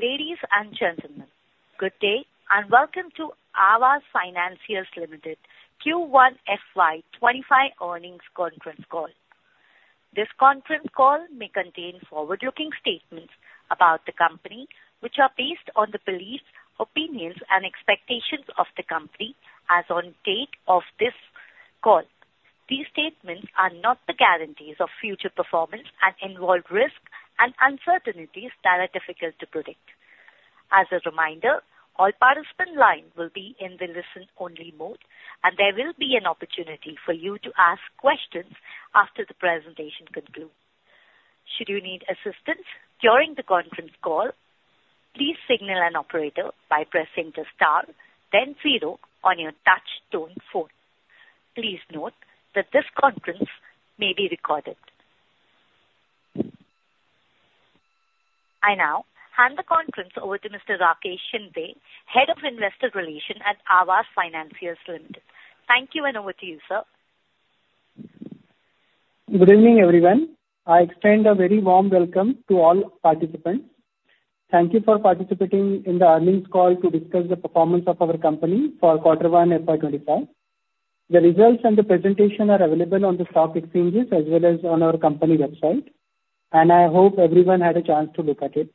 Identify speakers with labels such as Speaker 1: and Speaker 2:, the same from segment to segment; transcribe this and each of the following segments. Speaker 1: Ladies and gentlemen, good day, and welcome to Aavas Financiers Limited Q1 FY2025 Earnings Conference Call. This conference call may contain forward-looking statements about the company, which are based on the beliefs, opinions, and expectations of the company as on date of this call. These statements are not the guarantees of future performance and involve risks and uncertainties that are difficult to predict. As a reminder, all participant line will be in the listen-only mode, and there will be an opportunity for you to ask questions after the presentation concludes. Should you need assistance during the conference call, please signal an operator by pressing the star then zero on your touch tone phone. Please note that this conference may be recorded. I now hand the conference over to Mr. Rakesh Shinde, Head of Investor Relations at Aavas Financiers Limited. Thank you, and over to you, sir.
Speaker 2: Good evening, everyone. I extend a very warm welcome to all participants. Thank you for participating in the earnings call to discuss the performance of our company for quarter one, FY 2025. The results and the presentation are available on the stock exchanges as well as on our company website, and I hope everyone had a chance to look at it.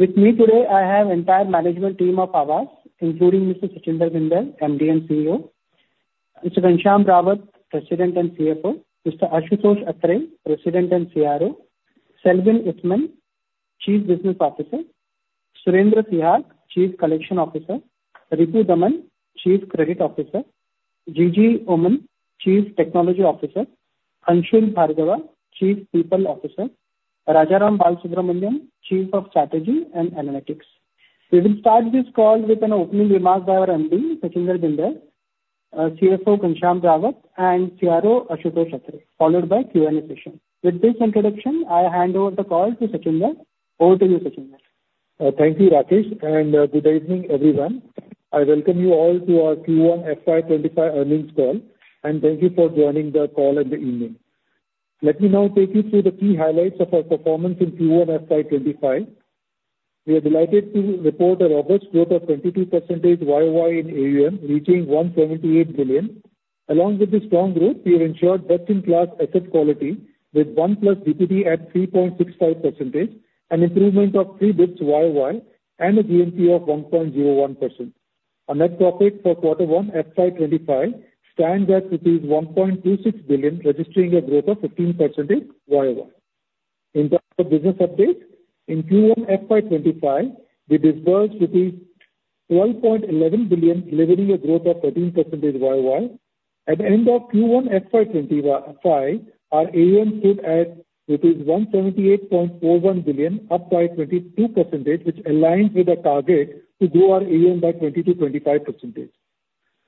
Speaker 2: `With me today, I have the entire management team of Aavas, including Mr. Sachinder Bhinder, MD and CEO; Mr. Ghanshyam Rawat, President and CFO; Mr. Ashutosh Atre, President and CRO; Selvin Uthaman, Chief Business Officer; Surendra Sihag, Chief Collections Officer; Ripudaman Bandral, Chief Credit Officer; Jijy Oommen, Chief Technology Officer; Anshul Bhargava, Chief People Officer; Rajaram Balasubramanian, Chief of Strategy and Analytics. We will start this call with opening remarks by our MD, Sachinder Bhinder, CFO, Ghanshyam Rawat, and CRO, Ashutosh Atre, followed by Q&A session. With this introduction, I hand over the call to Sachinder. Over to you, Sachinder.
Speaker 3: Thank you, Rakesh, and good evening, everyone. I welcome you all to our Q1 FY2025 earnings call, and thank you for joining the call in the evening. Let me now take you through the key highlights of our performance in Q1 FY2025. We are delighted to report a robust growth of 22% YoY in AUM, reaching 1.78 billion. Along with this strong growth, we have ensured best-in-class asset quality, with 1+ DPD at 3.65%, an improvement of 3 bps YoY, and a GNPA of 1.01%. Our net profit for quarter 1 FY2025 stands at 1.26 billion, registering a growth of 15% YoY. In terms of business updates, in Q1 FY2025, we disbursed 12.11 billion, delivering a growth of 13% YoY. At the end of Q1 FY 2025, our AUM stood at 178.41 billion, up by 22%, which aligns with our target to grow our AUM by 20% to 25%.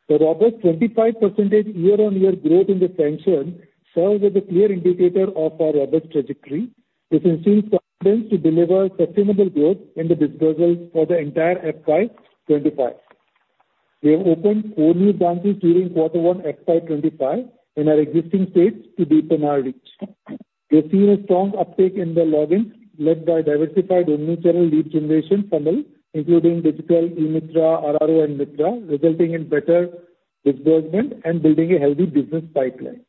Speaker 3: The robust 25% year-on-year growth in the sanction serves as a clear indicator of our robust trajectory, which ensures confidence to deliver sustainable growth in the disbursements for the entire FY 2025. We have opened four new branches during quarter one, FY 2025, in our existing states to deepen our reach. We have seen a strong uptick in the logins, led by diversified omni-channel lead generation funnel, including digital, e-Mitra, RRO, and Mitra, resulting in better disbursement and building a healthy business pipeline.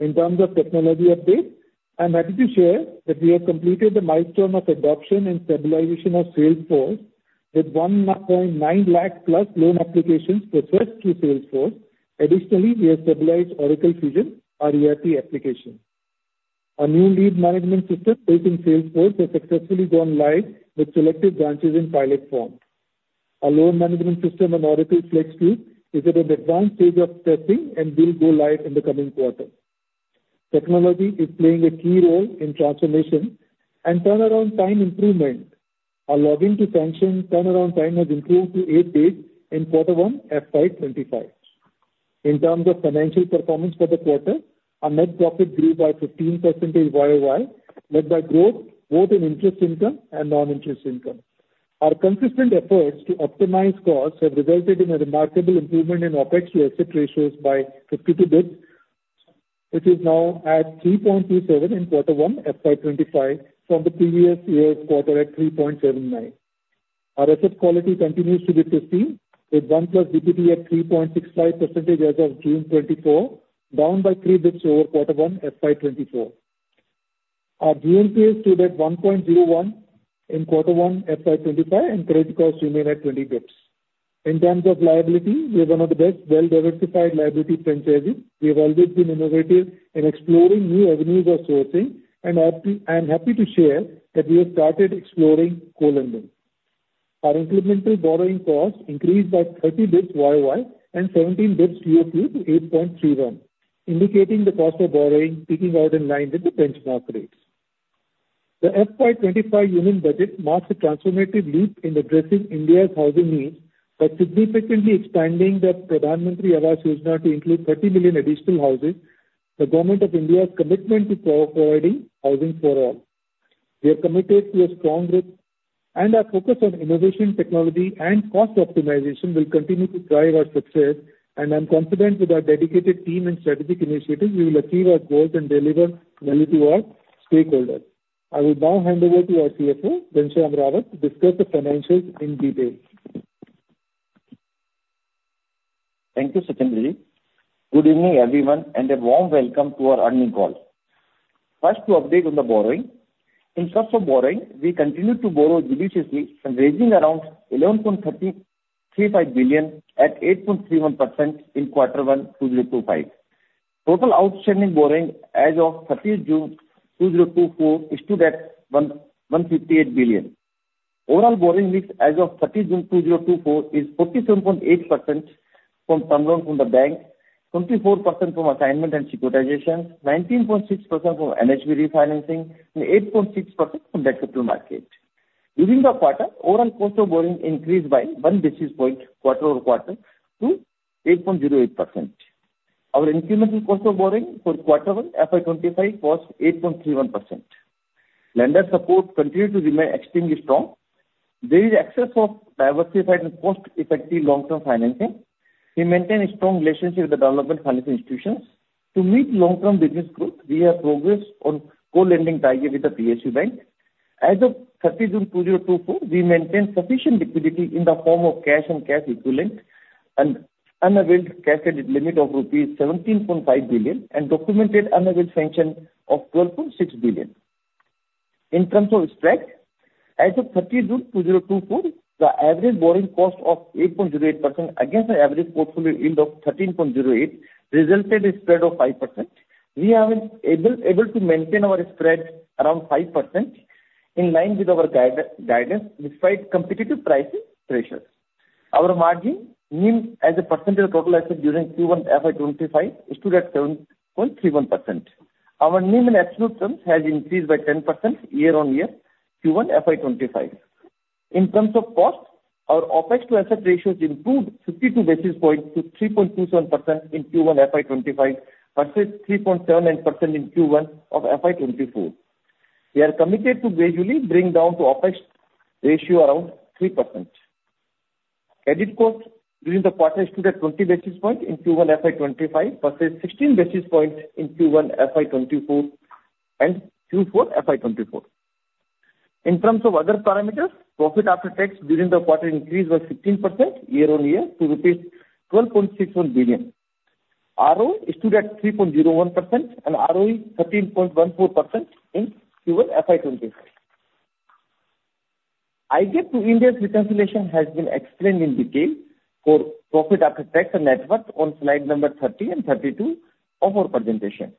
Speaker 3: In terms of technology update, I'm happy to share that we have completed the milestone of adoption and stabilization of Salesforce with 1.9 lakh+ loan applications processed through Salesforce. Additionally, we have stabilized Oracle Fusion, our ERP application. Our new lead management system built in Salesforce has successfully gone live with selected branches in pilot form. Our loan management system in Oracle Flexcube is at an advanced stage of testing and will go live in the coming quarter. Technology is playing a key role in transformation and turnaround time improvement. Our login to sanction turnaround time has improved to 8 days in quarter one, FY 2025. In terms of financial performance for the quarter, our net profit grew by 15% YoY, led by growth both in interest income and non-interest income. Our consistent efforts to optimize costs have resulted in a remarkable improvement in OpEx to asset ratios by 52 basis points, which is now at 3.27 in Q1 FY2025, from the previous year's quarter at 3.79. Our asset quality continues to be pristine, with 1+ DPD at 3.65% as of June 2024, down by 3 basis points over Q1 FY2024. Our GNPAs stood at 1.01% in Q1 FY2025, and credit costs remain at 20 basis points. In terms of liability, we are one of the best well-diversified liability franchises. We have always been innovative in exploring new avenues of sourcing, and opti. I am happy to share that we have started exploring co-lending. Our incremental borrowing costs increased by 30 basis points year-over-year and 17 basis points quarter-over-quarter to 8.31, indicating the cost of borrowing peaking out in line with the benchmark rates. The FY 2025 Union Budget marks a transformative leap in addressing India's housing needs by significantly expanding the Pradhan Mantri Awas Yojana to include 30 million additional houses, the government of India's commitment to providing housing for all. We are committed to a strong growth and our focus on innovation, technology, and cost optimization will continue to drive our success, and I'm confident with our dedicated team and strategic initiatives, we will achieve our goals and deliver value to our stakeholders. I will now hand over to our CFO, Ghanshyam Rawat, to discuss the financials in detail.
Speaker 4: Thank you, Sachinji. Good evening, everyone, and a warm welcome to our earnings call. First, to update on the borrowing. In terms of borrowing, we continue to borrow judiciously and raising around 11.335 billion at 8.31% in quarter 1, 2025. Total outstanding borrowing as of June 30, 2024, stood at 115.8 billion. Overall borrowing mix as of June 30, 2024, is 47.8% from term loan from the bank, 24% from assignment and securitization, 19.6% from NHB refinancing, and 8.6% from debt capital market. During the quarter, overall cost of borrowing increased by 1 basis point, quarter-over-quarter, to 8.08%. Our incremental cost of borrowing for quarter 1, FY 2025, was 8.31%. Lender support continued to remain extremely strong. There is excess of diversified and cost-effective long-term financing. We maintain a strong relationship with the development financing institutions. To meet long-term business growth, we have progressed on co-lending tie-up with the PSU banks. As of June 30, 2024, we maintain sufficient liquidity in the form of cash and cash equivalent and unavailed credit limit of rupees 17.5 billion, and documented unavailed sanction of 12.6 billion. In terms of spread, as of June 30, 2024, the average borrowing cost of 8.08% against an average portfolio yield of 13.08%, resulted in spread of 5%. We have been able to maintain our spread around 5%, in line with our guidance, despite competitive pricing pressures. Our margin NIM as a percentage of total assets during Q1 FY2025 stood at 7.31%. Our NIM in absolute terms has increased by 10% year-on-year, Q1 FY2025. In terms of cost, our OpEx to asset ratios improved 52 basis points to 3.27% in Q1 FY2025, versus 3.78% in Q1 of FY2024. We are committed to gradually bring down the OpEx ratio around 3%. Credit cost during the quarter stood at 20 basis points in Q1 FY2025, versus 16 basis points in Q1 FY2024 and Q4 FY2024. In terms of other parameters, profit after tax during the quarter increased by 16% year-on-year to rupees 12.61 billion. ROE stood at 3.01% and ROE 13.14% in Q1 FY2025. IGAAP to Ind AS reconciliation has been explained in detail for profit after tax and net worth on slide number 30 and 32 of our presentation.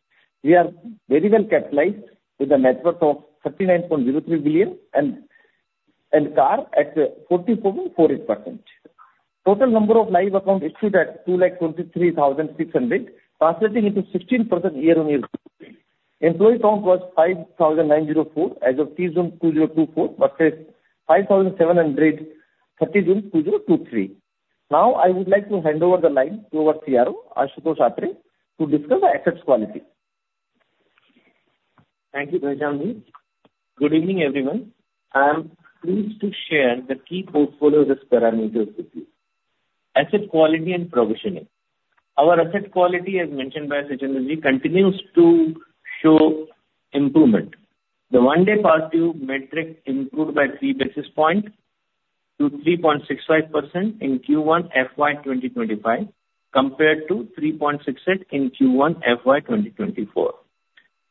Speaker 4: We are very well capitalized with a net worth of 39.03 billion and CAR at 14.48%. Total number of live accounts issued at 223,600, translating into 16% year-on-year. Employee count was 5,904 as of end June 2024, versus 5,730 as of June 30, 2023. Now, I would like to hand over the line to our CRO, Ashutosh Atre, to discuss our asset quality.
Speaker 5: Thank you, Ghanshyamji. Good evening, everyone. I am pleased to share the key portfolio risk parameters with you. Asset quality and provisioning. Our asset quality, as mentioned by Sachinderji, continues to show improvement. The one-day past due metric improved by three basis points to 3.65% in Q1 FY 2025, compared to 3.68 in Q1 FY 2024.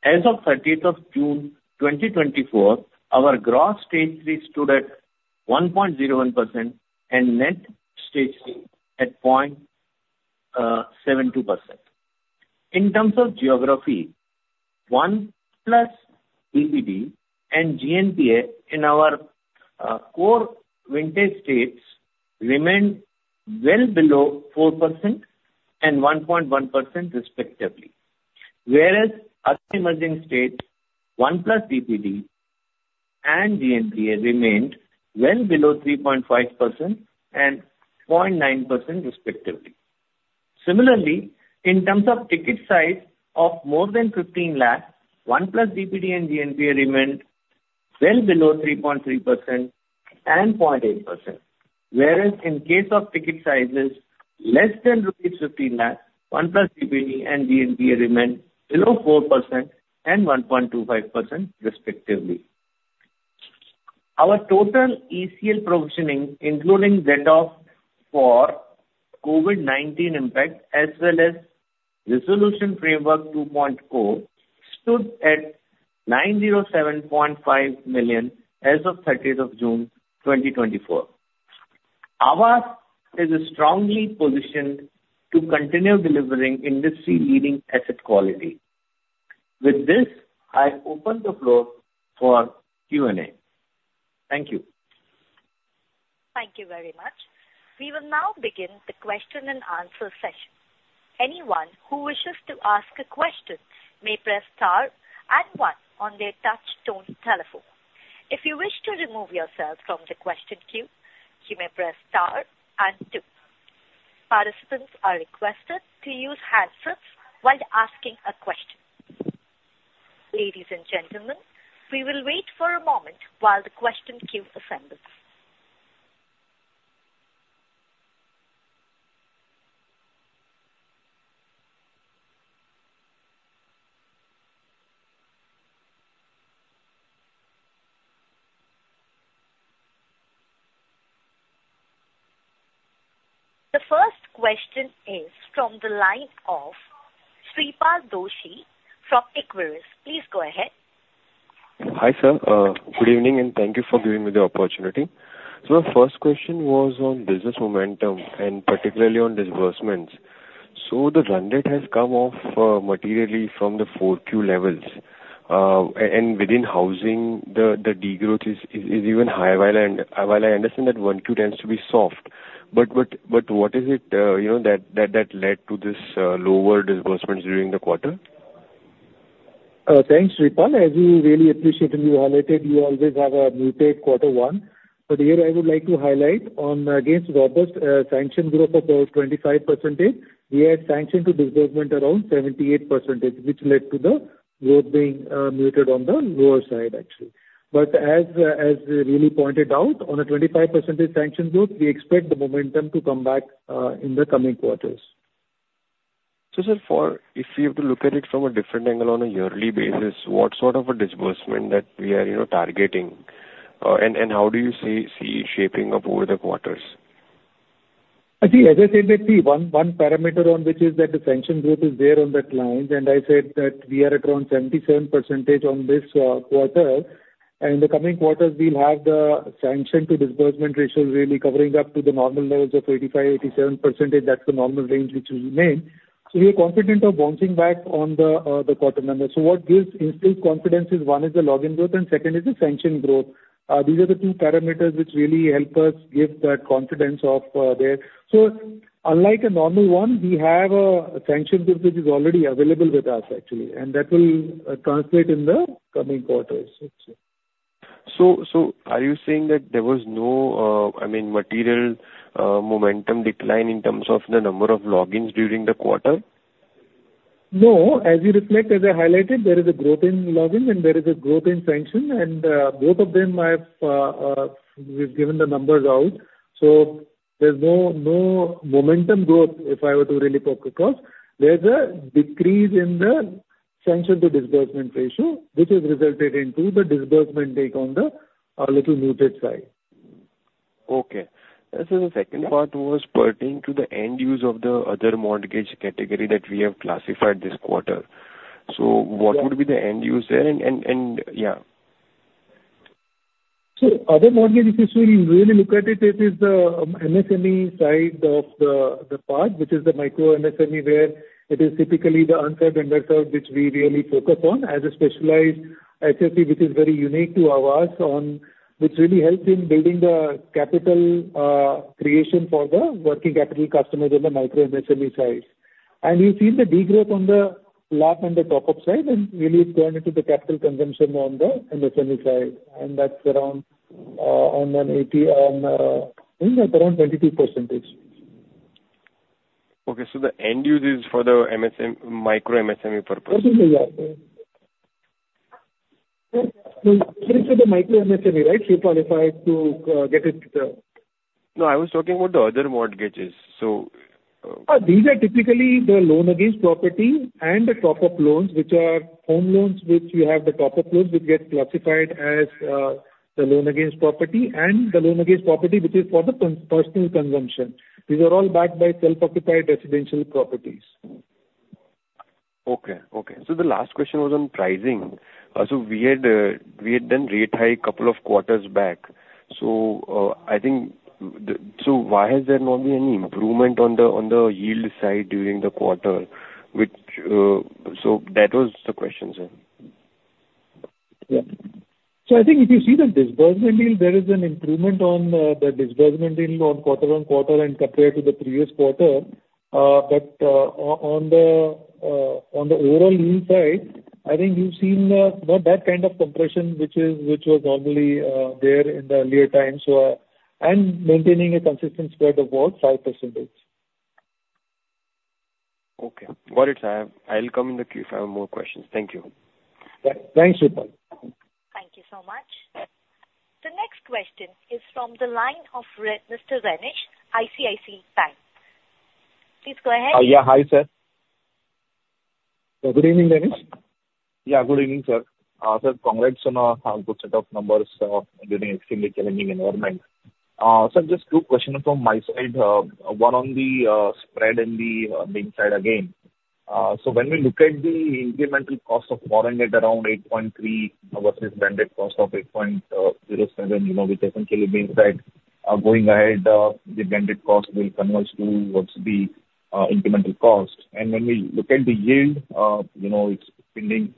Speaker 5: As of thirtieth of June 2024, our gross stage three stood at 1.01% and net stage three at 0.72%. In terms of geography, one plus DPD and GNPA in our core vintage states remained well below 4% and 1.1% respectively. Whereas, up-and-emerging states, one plus DPD and GNPA remained well below 3.5% and 0.9%, respectively. Similarly, in terms of ticket size of more than 15 lakh, 1+ DPD and GNPA remained well below 3.3% and 0.8%. Whereas, in case of ticket sizes less than rupees 15 lakh, 1+ DPD and GNPA remained below 4% and 1.25%, respectively. Our total ECL provisioning, including set-off for COVID-19 impact, as well as Resolution Framework 2.0, stood at 907.5 million as of thirtieth of June, 2024. Aavas is strongly positioned to continue delivering industry-leading asset quality. With this, I open the floor for Q&A. Thank you.
Speaker 1: Thank you very much. We will now begin the question and answer session. Anyone who wishes to ask a question may press star and one on their touch tone telephone. If you wish to remove yourself from the question queue, you may press star and two. Participants are requested to use handsets while asking a question. Ladies and gentlemen, we will wait for a moment while the question queue assembles. The first question is from the line of Shreepal Doshi from Equirus. Please go ahead.
Speaker 6: Hi, sir. Good evening, and thank you for giving me the opportunity. So my first question was on business momentum, and particularly on disbursements. So the run rate has come off materially from the Q4 levels. And within housing, the degrowth is even higher. While I understand that one, two tends to be soft, but what is it, you know, that led to this lower disbursements during the quarter?
Speaker 3: Thanks, Shreepal. As you really appreciated, you highlighted, you always have a muted quarter one. But here I would like to highlight on against robust, sanction growth of twenty-five percentage, we had sanction to disbursement around 78 percentage, which led to the growth being muted on the lower side, actually. But as, as really pointed out, on a 25 percentage sanction growth, we expect the momentum to come back in the coming quarters.
Speaker 6: So, sir, for if we have to look at it from a different angle on a yearly basis, what sort of a disbursement that we are, you know, targeting? And how do you see shaping up over the quarters?
Speaker 3: I think, as I said, that the one, one parameter on which is that the sanction growth is there on the clients, and I said that we are at around 77% on this quarter. In the coming quarters, we'll have the sanction to disbursement ratio really covering up to the normal levels of 85% to 87%. That's the normal range which we made. So we are confident of bouncing back on the quarter numbers. So what gives us this confidence is, one is the login growth and second is the sanction growth. These are the two parameters which really help us give that confidence of there. So unlike a normal one, we have a sanction group which is already available with us, actually, and that will translate in the coming quarters.
Speaker 6: So, are you saying that there was no, I mean, material momentum decline in terms of the number of logins during the quarter?
Speaker 3: No. As you reflect, as I highlighted, there is a growth in login and there is a growth in sanction, and both of them, we've given the numbers out, so there's no momentum growth, if I were to really talk across. There's a decrease in the sanction to disbursement ratio, which has resulted into the disbursement take on the little muted side.
Speaker 6: Okay. So the second part was pertaining to the end use of the other mortgage category that we have classified this quarter. So what would be the end user and yeah.
Speaker 3: So other mortgage, if you really, really look at it, it is the MSME side of the part, which is the micro MSME, where it is typically the underserved, underserved which we really focus on as a specialized SSP, which is very unique to our USP, on which really helps in building the capital creation for the working capital customers in the micro MSME size. And you've seen the degrowth on the LAP and the top-up side, and really it's gone into the capital consumption on the MSME side, and that's around on an AUM, I think around 22%.
Speaker 6: Okay, so the end use is for the MSME- micro MSME purpose?
Speaker 3: Absolutely, yeah. So the micro MSME, right, Shripal, if I to get it...
Speaker 6: No, I was talking about the other mortgages, so,
Speaker 3: These are typically the loan against property and the top-up loans, which are home loans, which we have the top-up loans, which get classified as, the loan against property, and the loan against property, which is for the non-personal consumption. These are all backed by self-occupied residential properties.
Speaker 6: Okay. Okay. So the last question was on pricing. So we had, we had done rate hike couple of quarters back. So, I think the, so why has there not been any improvement on the, on the yield side during the quarter, which, so that was the question, sir.
Speaker 3: Yeah. So I think if you see the disbursement yield, there is an improvement on the disbursement yield on quarter on quarter and compared to the previous quarter. But on the overall yield side, I think you've seen not that kind of compression, which was normally there in the earlier times. So I'm maintaining a consistent spread of about 5%.
Speaker 6: Okay. Got it, sir. I, I'll come in the queue if I have more questions. Thank you.
Speaker 3: Yeah, thanks, Shreepal.
Speaker 1: Thank you so much. The next question is from the line of Mr. Renish Bhuva, ICICI Securities. Please go ahead.
Speaker 7: Yeah. Hi, sir.
Speaker 3: Good evening, Renish.
Speaker 7: Yeah, good evening, sir. Sir, congrats on a good set of numbers during extremely challenging environment. So just two questions from my side. One on the spread in the NIM side again. So when we look at the incremental cost of foreign debt around 8.3 versus blended cost of 8.07, you know, which essentially means that going ahead the blended cost will converge towards the incremental cost. And when we look at the yield, you know, it's trending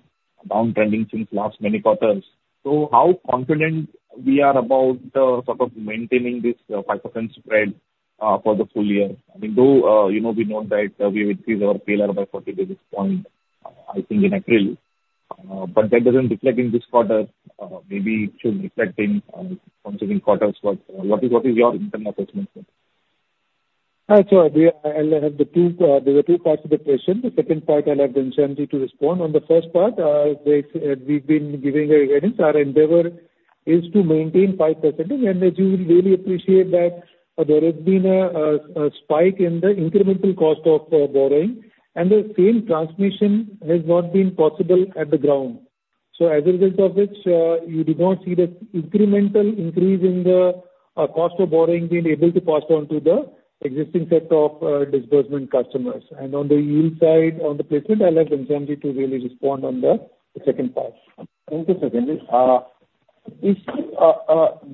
Speaker 7: downtrending since last many quarters. So how confident we are about sort of maintaining this 5% spread for the full year? I mean, though, you know, we know that we increased our PLR by 40 basis points, I think in April, but that doesn't reflect in this quarter. Maybe it should reflect in coming quarters, but what is, what is your internal assessment, sir?
Speaker 3: So we, I'll have the two, there were two parts of the question. The second part, I'll have Ghanshyam to respond. On the first part, it's, we've been giving a guidance. Our endeavor is to maintain 5%, and as you will really appreciate that, there has been a spike in the incremental cost of borrowing, and the same transmission has not been possible at the ground. So as a result of which, you do not see the incremental increase in the cost of borrowing being able to pass on to the existing set of disbursement customers. And on the yield side, on the placement, I'll ask Ghanshyam to really respond on the second part. Thank you, Sachin-ji.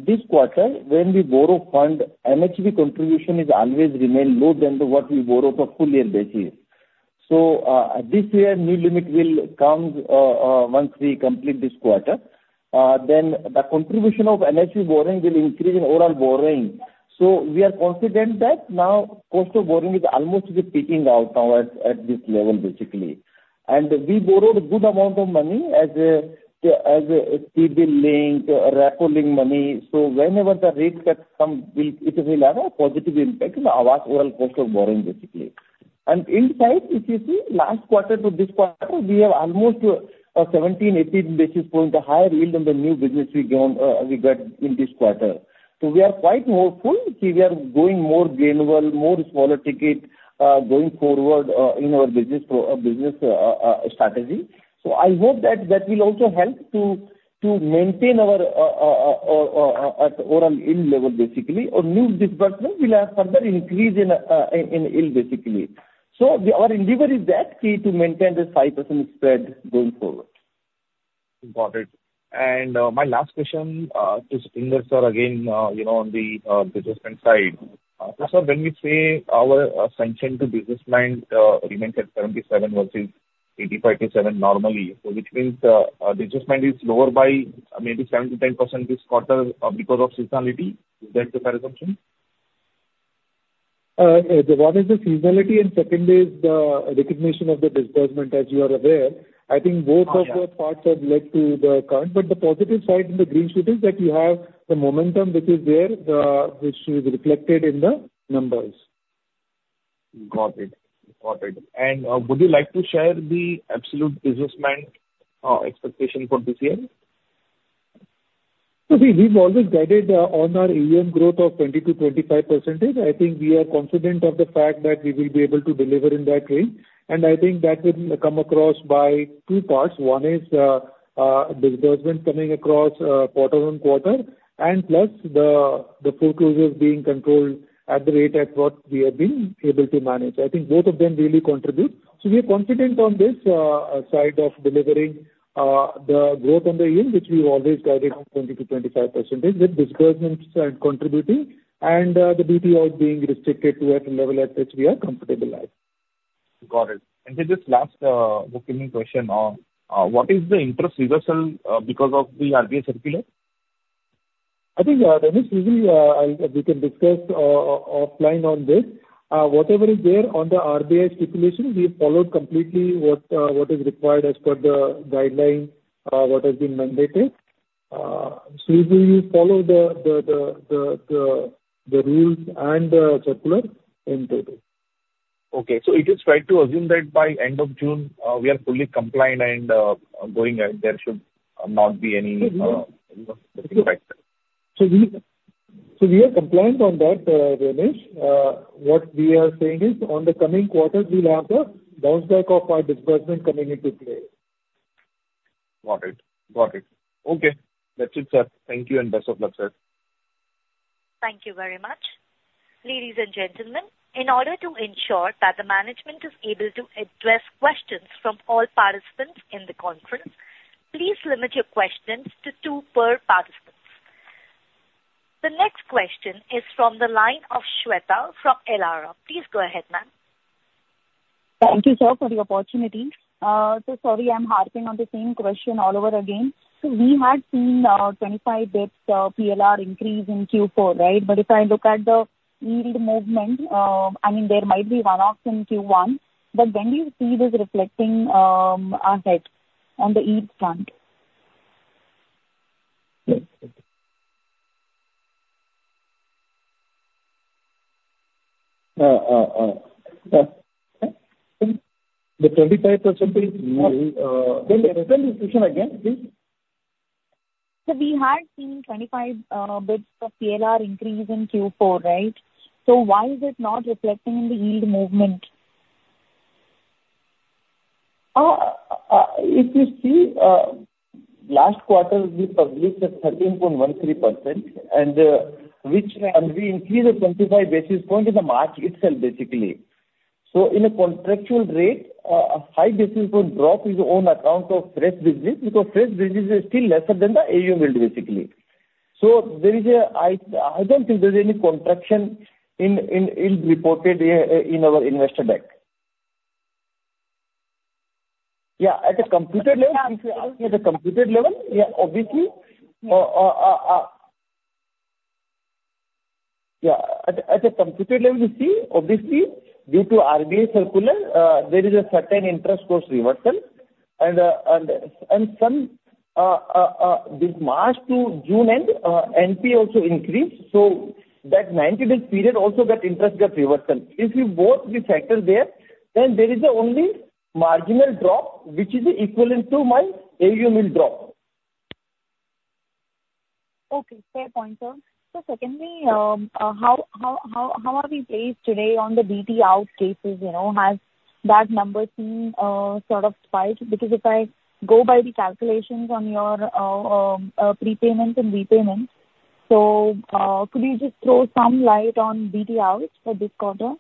Speaker 4: This quarter, when we borrow fund, NHB contribution is always remain lower than what we borrow for full year basis. So, this year, new limit will come, once we complete this quarter. Then the contribution of NHB borrowing will increase in overall borrowing. So we are confident that now cost of borrowing is almost peaking out now at this level, basically. And we borrowed a good amount of money as NHB-linked, repo-linked money. So whenever the rate cuts come, it will have a positive impact on our overall cost of borrowing, basically. And inside, if you see last quarter to this quarter, we have almost 17 to 18 basis points, the higher yield on the new business we got in this quarter. So we are quite hopeful. We are going more incremental, more smaller ticket, going forward, in our business strategy. So I hope that that will also help to maintain our overall yield level, basically, or new disbursement will have further increase in yield, basically. So our endeavor is that, to maintain this 5% spread going forward.
Speaker 7: Got it. And, my last question is, sir, again, you know, on the disbursement side. So when we say our sanction to disbursement remains at 77 versus 85 to 87 normally, so which means the disbursement is lower by maybe 7% to 10% this quarter, because of seasonality. Is that the fair assumption?
Speaker 4: One is the seasonality, and second is the recognition of the disbursement, as you are aware. I think both of—Oh, yeah the parts have led to the current, but the positive side in the green shoot is that you have the momentum which is there, which is reflected in the numbers.
Speaker 7: Got it. Got it. And, would you like to share the absolute disbursement, expectation for this year? So we, we've always guided on our AUM growth of 20% to 25%. I think we are confident of the fact that we will be able to deliver in that range, and I think that will come across by two parts. One is, disbursement coming across, quarter on quarter, and plus the, the foreclosures being controlled at the rate at what we have been able to manage. I think both of them really contribute. So we are confident on this side of delivering the growth on the yield, which we always guided on 20% to 25%, with disbursements contributing and the DPO being restricted to at a level at which we are comfortable at. Got it. And then just last bookending question on what is the interest reversal because of the RBI circular? I think, Renish, usually, I'll we can discuss offline on this. Whatever is there on the RBI stipulation, we followed completely what what is required as per the guideline, what has been mandated. So we will follow the rules and the circular in total. Okay, so it is fair to assume that by end of June, we are fully compliant and going, and there should not be any. So we, so we are compliant on that, Renish. What we are saying is, on the coming quarters, we'll have a bounce back of our disbursement coming into play. Got it. Got it. Okay. That's it, sir. Thank you, and best of luck, sir.
Speaker 1: Thank you very much. Ladies and gentlemen, in order to ensure that the management is able to address questions from all participants in the conference, please limit your questions to two per participants. The next question is from the line of Shweta from Elara Capital. Please go ahead, ma'am. Thank you, sir, for the opportunity. So sorry, I'm harping on the same question all over again. We had seen 25 basis points PLR increase in Q4, right? But if I look at the yield movement, I mean, there might be one-offs in Q1, but when do you see this reflecting ahead on the yield front?
Speaker 3: The 25% is yield. Can you explain this question again, please?
Speaker 8: So we had seen 25 basis points of PLR increase in Q4, right? So why is it not reflecting in the yield movement?
Speaker 3: If you see, last quarter, we published at 13.13%, and we increased 75 basis points in the March itself, basically. So in a contractual rate, a 75 basis point drop is on account of fresh business, because fresh business is still lesser than the AUM yield, basically. So there is a... I don't think there's any contraction in reported, in our investor deck. Yeah, at a computed level-
Speaker 8: Yeah. If you ask me at a computed level, yeah, obviously, yeah, at a computed level, you see, obviously, due to RBI circular, there is a certain interest cost reversal, and, and some, this March to June end, NP also increased, so that 90-day period also that interest got reversal. If you both the factors there, then there is a only marginal drop, which is equivalent to my AUM will drop. Okay, fair point, sir. So secondly, how are we placed today on the BT out cases, you know? Has that number seen sort of spike? Because if I go by the calculations on your prepayment and repayment, could you just throw some light on BT out for this quarter?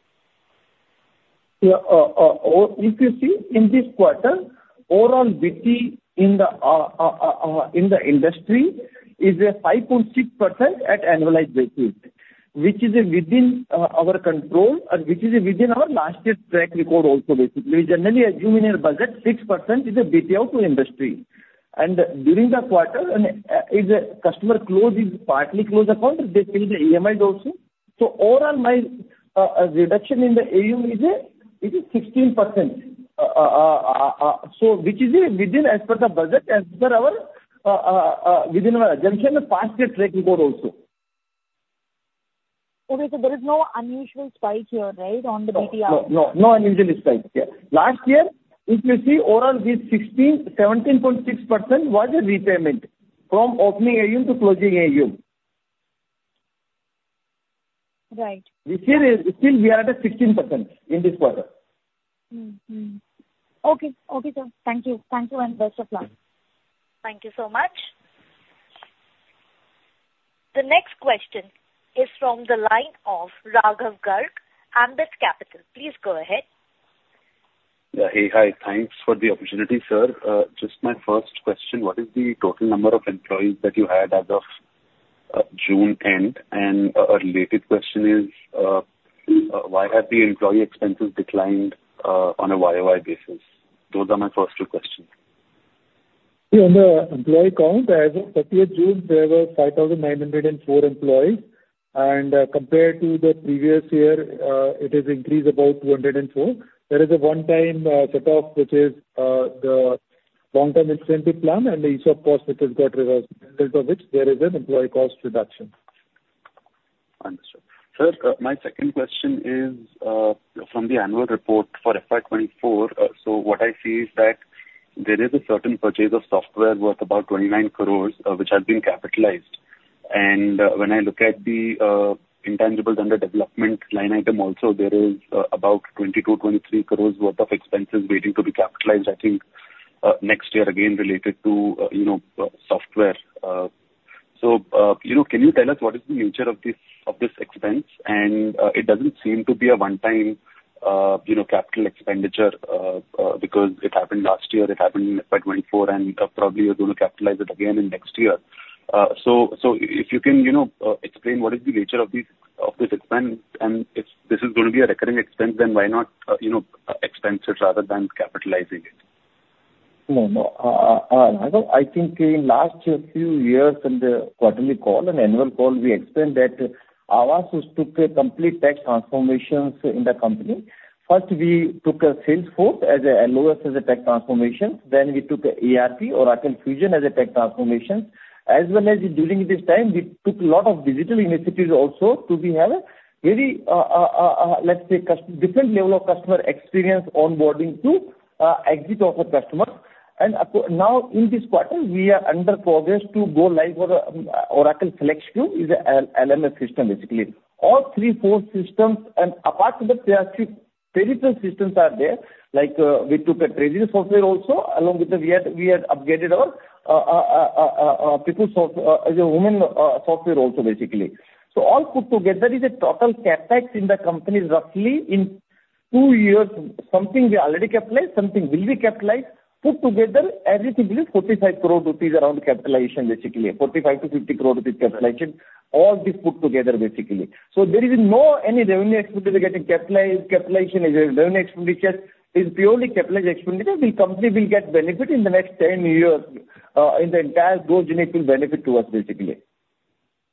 Speaker 3: Yeah. If you see in this quarter, overall BT in the industry is 5.6% at annualized basis, which is within our control and which is within our last year's track record also basically. We generally assume in our budget 6% is a BT out to industry. And during the quarter and, if a customer close his, partly close account, they pay the EMI also. So overall, my reduction in the AUM is a, it is 16%. So which is within as per the budget and per our, within our judgment, the past year track record also.
Speaker 8: Okay, so there is no unusual spike here, right, on the BT out?
Speaker 3: No, no, no unusual spike here. Last year, if you see overall, this 16%-17.6% was a repayment from opening AUM to closing AUM.
Speaker 8: Right.
Speaker 3: We still are at a 16% in this quarter.
Speaker 8: Mm-hmm. Okay. Okay, sir. Thank you. Thank you, and best of luck.
Speaker 1: Thank you so much. The next question is from the line of Raghav Garg, Ambit Capital. Please go ahead. Yeah. Hey, hi. Thanks for the opportunity, sir. Just my first question, what is the total number of employees that you had as of June end? And a related question is, why have the employee expenses declined on a YoY basis? Those are my first two questions.
Speaker 3: On the employee count, as of June 30, there were 5,904 employees, and, compared to the previous year, it is increased about 204. There is a one-time setoff, which is the long-term incentive plan and the ESOP, of course, which has got reversed, result of which there is an employee cost reduction.
Speaker 9: Understood. Sir, my second question is from the annual report for FY 2024. So what I see is that there is a certain purchase of software worth about 29 crore, which has been capitalized. When I look at the intangibles under development line item also, there is about 22 to 23 crore worth of expenses waiting to be capitalized, I think, next year again, related to you know, software. So, you know, can you tell us what is the nature of this, of this expense? And it doesn't seem to be a one-time, you know, capital expenditure, because it happened last year, it happened in FY 2024, and probably you're going to capitalize it again in next year. So, if you can, you know, explain what is the nature of these, of this expense, and if this is going to be a recurring expense, then why not, you know, expense it rather than capitalizing it?
Speaker 3: No, no. I think in last few years, in the quarterly call and annual call, we explained that Aavas has took acomplete tech transformations in the company. First, we took a Salesforce as a LOS, as a tech transformation, then we took ERP, Oracle Fusion as a tech transformation. As well as during this time, we took lot of digital initiatives also to have a very, let's say, different level of customer experience onboarding to, exit of a customer. And now, in this quarter, we are under progress to go live on, Oracle Flexcube, is a LMS system, basically. All three, four systems, and apart from that, there are three peripheral systems are there, like, we took a treasury software also, along with the we had upgraded our PeopleSoft as a human software also, basically. So all put together is a total CapEx in the company, roughly in 2 years, something we already capitalized, something will be capitalized, put together everything is 45 crore rupees around capitalization, basically. 45 crore to 50 crore rupees capitalization, all this put together, basically. So there is no any revenue expenditure getting capitalized. Capitalization is a revenue expenditure, is purely capitalized expenditure. The company will get benefit in the next 10 years, in the entire those years it will benefit to us, basically.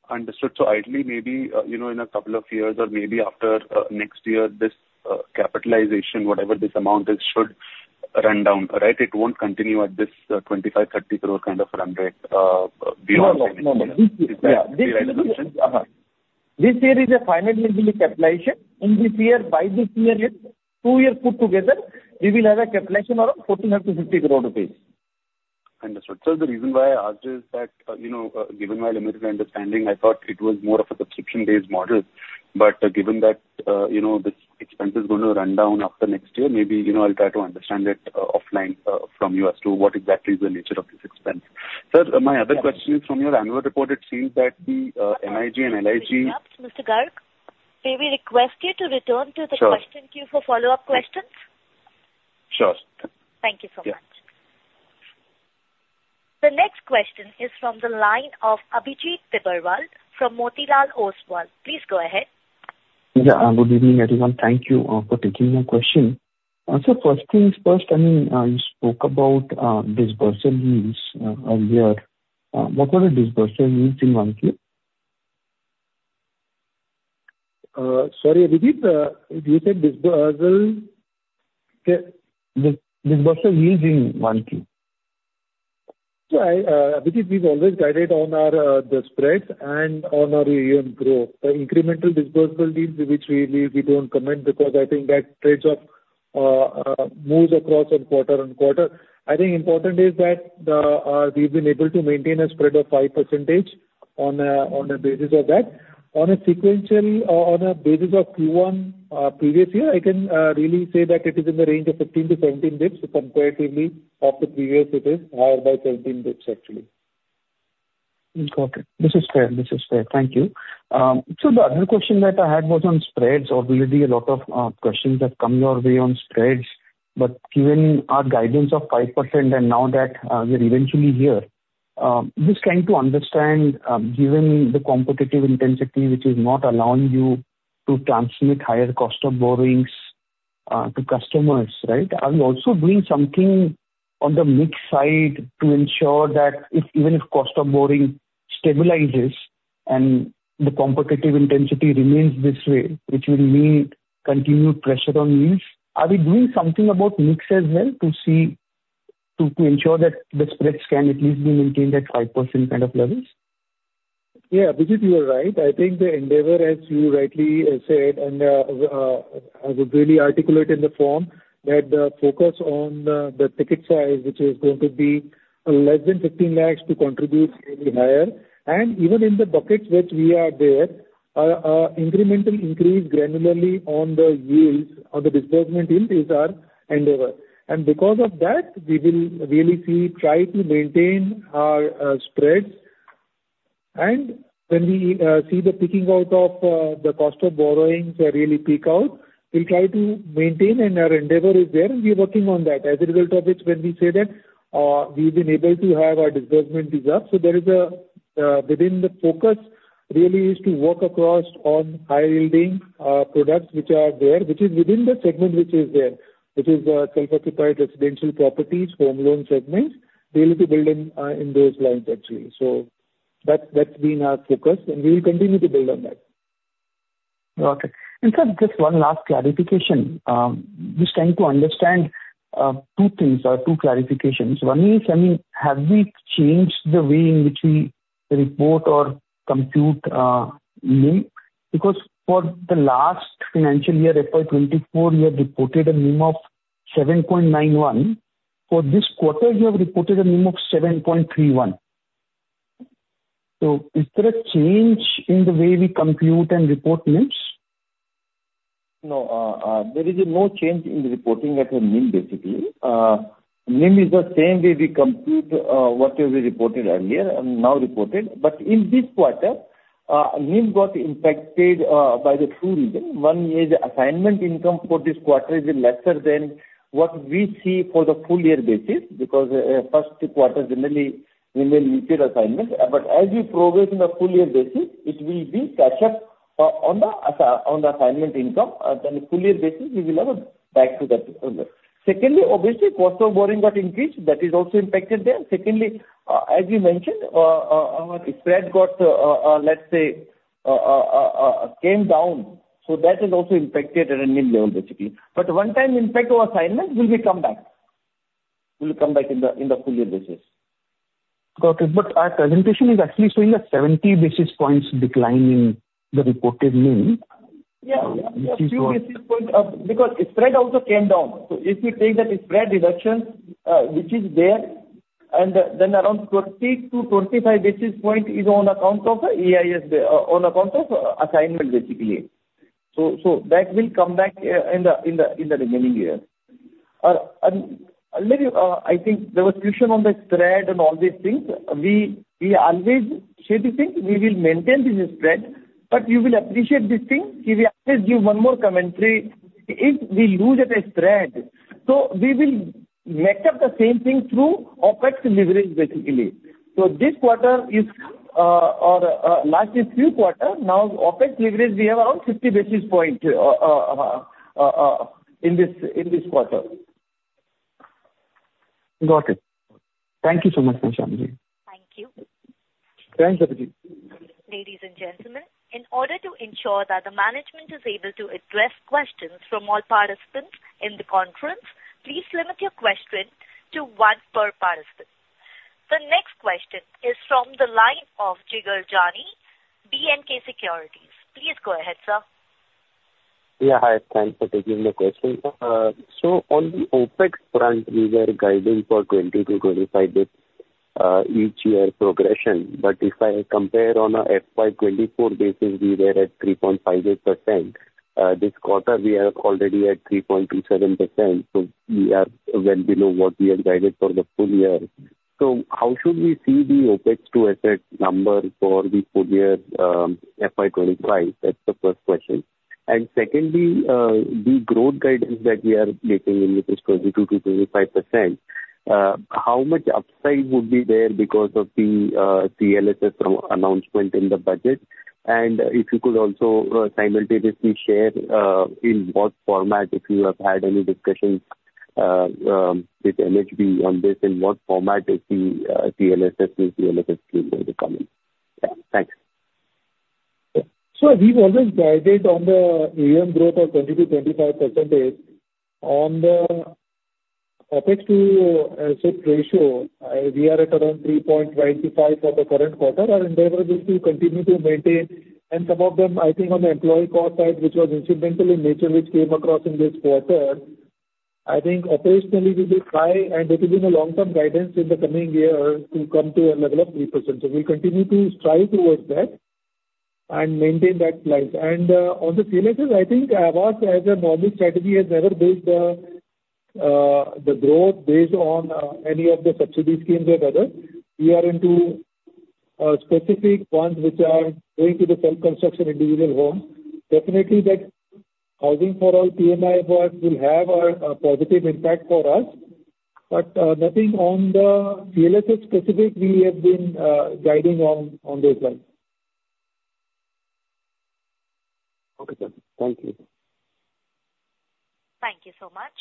Speaker 9: Understood. So ideally, maybe, you know, in a couple of years or maybe after next year, this capitalization, whatever this amount is, should run down, right? It won't continue at this 25, 30 crore kind of run rate beyond.
Speaker 3: No, no.
Speaker 9: Is that the right assumption?
Speaker 3: This year is a final year capitalization. In this year, by this year end, two years put together, we will have a capitalization of 1,450 crore rupees.
Speaker 9: Understood. Sir, the reason why I asked is that, you know, given my limited understanding, I thought it was more of a subscription-based model. But given that, you know, this expense is going to run down after next year, maybe, you know, I'll try to understand it, offline, from you as to what exactly is the nature of this expense. Sir, my other question is from your annual report, it seems that the, NIG and NIG
Speaker 1: Mr. Garg, may we request you to return to the-
Speaker 9: Sure.
Speaker 1: Question queue for follow-up questions?
Speaker 9: Sure.
Speaker 1: Thank you so much.
Speaker 9: Yeah.
Speaker 1: The next question is from the line of Abhijit Tibrewal from Motilal Oswal. Please go ahead. Yeah, good evening, everyone. Thank you for taking my question. So first things first, I mean, you spoke about disbursement yields earlier. What were the disbursement yields in Q1?. Sorry, Abhijit, you said disbursement, the dis- disbursement yields in monthly?
Speaker 3: So I, because we've always guided on our, the spreads and on our AUM growth. The incremental dispersal deals which we don't comment because I think that trades off, moves across on quarter and quarter. I think important is that the, we've been able to maintain a spread of 5% on a, on a basis of that. On a sequentially, on a basis of Q1 previous year, I can really say that it is in the range of 15 to 17 basis points. So comparatively, of the previous it is higher by 13 basis points, actually.
Speaker 10: Got it. This is fair, this is fair. Thank you. So the other question that I had was on spreads, or really a lot of questions have come your way on spreads, but given our guidance of 5% and now that we're eventually here, just trying to understand, given the competitive intensity which is not allowing you to transmit higher cost of borrowings to customers, right? Are we also doing something on the mix side to ensure that if, even if cost of borrowing stabilizes and the competitive intensity remains this way, which will mean continued pressure on yields, are we doing something about mix as well to see, to ensure that the spreads can at least be maintained at 5% kind of levels?
Speaker 3: Yeah, Abhijit, you are right. I think the endeavor, as you rightly said, and I would really articulate in the form that the focus on the ticket size, which is going to be less than 15 lakh to contribute maybe higher. And even in the buckets which we are there, a incremental increase granularly on the yields or the disbursement yields is our endeavor. And because of that, we will really see try to maintain our spreads. And when we see the peaking out of the cost of borrowings really peak out, we'll try to maintain, and our endeavor is there, and we're working on that. As a result of which when we say that, we've been able to have our disbursement is up, so there is a, within the focus really is to work across on high-yielding, products which are there, which is within the segment which is there, which is, self-occupied residential properties, home loan segments. We'll be building, in those lines, actually. So that, that's been our focus, and we will continue to build on that.
Speaker 10: Okay. And sir, just one last clarification. Just trying to understand, two things or two clarifications. One is, I mean, have we changed the way in which we report or compute, NIM? Because for the last financial year, FY 2024, we have reported a NIM of 7.91. For this quarter, you have reported a NIM of 7.31. So is there a change in the way we compute and report NIMs?
Speaker 3: No. There is no change in the reporting at the NIM, basically. NIM is the same way we compute what we reported earlier and now reported. But in this quarter, NIM got impacted by the two reason. One is assignment income for this quarter is lesser than what we see for the full year basis, because first quarter generally we may meet your assignment. But as we progress in the full year basis, it will be catch up on the assignment income. Then full year basis, we will have a back to that earlier. Secondly, obviously, cost of borrowing got increased. That is also impacted there. Secondly, as you mentioned, our spread got, let's say, came down, so that is also impacted at a NIM level, basically. But one-time impact of assignment will come back in the full-year basis.
Speaker 10: Got it. But our presentation is actually showing a 70 basis points decline in the reported NIM.
Speaker 3: Yeah.
Speaker 10: Which is-
Speaker 3: A few basis points, because spread also came down. So if we take that spread reduction, which is there, and then around 20 to 25 basis points is on account of EIS, on account of assignment, basically. So that will come back in the remaining year. And let me, I think there was a question on the spread and all these things. We always say this thing, we will maintain this spread, but you will appreciate this thing, if we always give one more commentary, if we lose at a spread, so we will make up the same thing through OpEx leverage, basically. So this quarter is, or last is third quarter, now, OpEx leverage, we have around 50 basis points in this quarter.
Speaker 10: Got it. Thank you so much, Ghanshyam-ji
Speaker 1: Thank you.
Speaker 3: Thanks, Abhijit.
Speaker 1: Ladies and gentlemen, in order to ensure that the management is able to address questions from all participants in the conference, please limit your question to one per participant. The next question is from the line of Jigar Jani, B&K Securities. Please go ahead, sir.
Speaker 11: Yeah, hi. Thanks for taking my question. So on the OpEx front, we were guiding for 20 to 25 basis points, each year progression, but if I compare on a FY 2024 basis, we were at 3.58%. This quarter, we are already at 3.27%, so we are well below what we have guided for the full year. So how should we see the OpEx to asset number for the full year, FY 2025? That's the first question. And secondly, the growth guidance that we are making, which is 22% to 25%, how much upside would be there because of the, CLSS pro- announcement in the budget? And if you could also, simultaneously share, in what format, if you have had any discussions. With NHB on this, and what format is the CLSS going to be coming? Yeah, thanks.
Speaker 3: So we've always guided on the AUM growth of 20% to 25%. On the Opex to AUM ratio, we are at around 3.9% to 5% for the current quarter. Our endeavor is to continue to maintain, and some of them, I think, on the employee cost side, which was incidental in nature, which came across in this quarter, I think operationally we will try, and this has been a long-term guidance in the coming year, to come to a level of 3%. So we'll continue to strive towards that and maintain that slide. And on the CLSS, I think Aavas as a normal strategy has never built the growth based on any of the subsidy schemes or other. We are into specific ones which are going to the self-construction individual homes. Definitely, that Housing for All PMAY Awas will have a positive impact for us, but nothing on the CLSS specific we have been guiding on those lines.
Speaker 11: Okay, sir. Thank you.
Speaker 1: Thank you so much.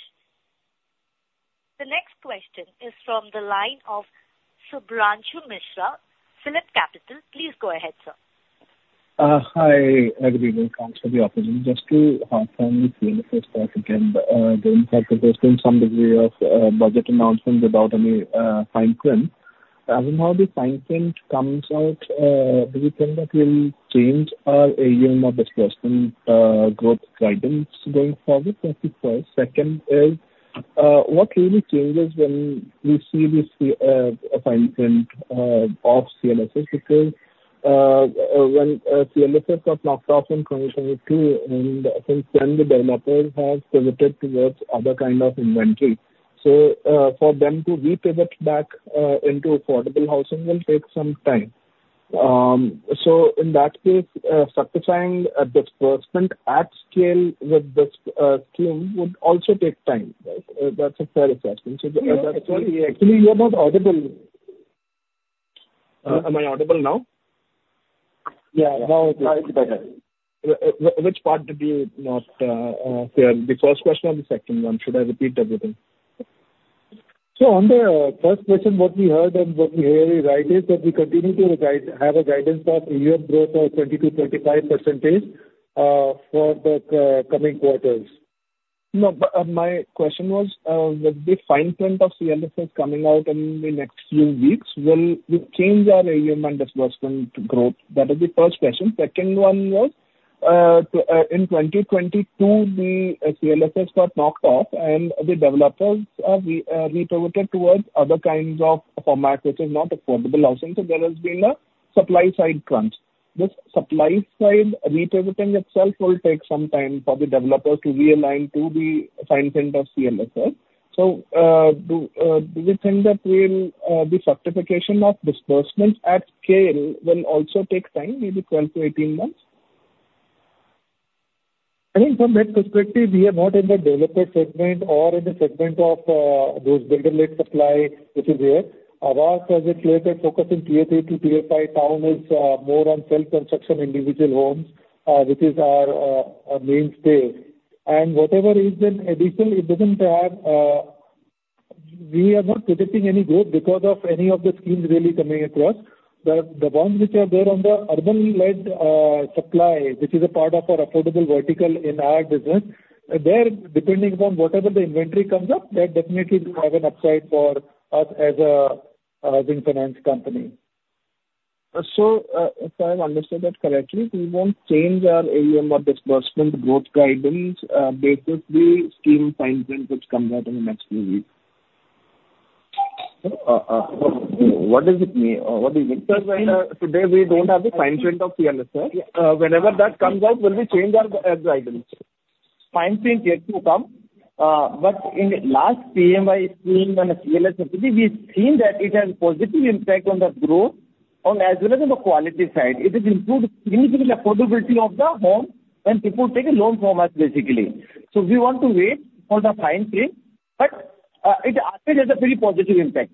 Speaker 1: The next question is from the line of Shubhranshu Mishra, PhillipCapital. Please go ahead, sir.
Speaker 12: Hi, everyone. Thanks for the opportunity. Just to confirm with you first, again, the impact of this in some degree of budget announcements about any fine print. As and how the fine print comes out, do you think that will change our AUM or disbursement growth guidance going forward? That's the first. Second is, what really changes when we see this fine print of CLSS? Because, when CLSS got knocked off in 2022, and since then, the developers have pivoted towards other kind of inventory. So, for them to repivot back into affordable housing will take some time. So in that case, certifying a disbursement at scale with this scheme would also take time. That's a fair assessment.
Speaker 3: Sorry, actually, you are not audible.
Speaker 12: Am I audible now?
Speaker 3: Yeah, now it's better.
Speaker 12: Which part did we not hear, the first question or the second one? Should I repeat everything?
Speaker 3: So on the first question, what we heard and what we hear, you're right, is that we continue to guide, have a guidance of AUM growth of 20 to 25%, for the coming quarters.
Speaker 12: No, but, my question was, with the fine print of CLSS coming out in the next few weeks, will we change our AUM and disbursement growth? That is the first question. Second one was, in 2022, the CLSS got knocked off, and the developers are repivoted towards other kinds of format, which is not affordable housing, so there has been a supply side crunch. This supply side repivoting itself will take some time for the developer to realign to the fine print of CLSS. So, do you think that we'll, the certification of disbursements at scale will also take time, maybe 12 to 18 months?
Speaker 3: I think from that perspective, we are not in the developer segment or in the segment of those builder-led supply, which is there. Our project-related focus in Tier 3 to Tier 5 town is more on self-construction individual homes, which is our mainstay. Whatever is in addition, it doesn't have. We are not predicting any growth because of any of the schemes really coming across. The ones which are there on the urban-led supply, which is a part of our affordable vertical in our business, there, depending upon whatever the inventory comes up, that definitely do have an upside for us as a housing finance company. If I have understood that correctly, we won't change our AUM or disbursement growth guidance based on the scheme fine print, which comes out in the next few weeks.
Speaker 12: What does it mean? What is it?
Speaker 3: Because right now, today, we don't have the fine print of CLSS. Whenever that comes out, will we change our guidance? Fine print yet to come. In the last PMAY scheme on a CLSS facility, we've seen that it has positive impact on the growth on as well as on the quality side. It has improved significantly affordability of the home when people take a loan from us, basically. We want to wait for the fine print, but it actually has a very positive impact.